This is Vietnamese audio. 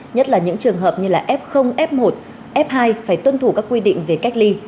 nhất là những trường hợp như là f f một f hai phải tuân thủ các quy định về cách ly